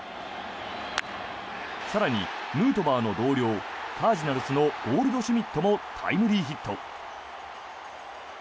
更に、ヌートバーの同僚カージナルスのゴールドシュミットもタイムリーヒット。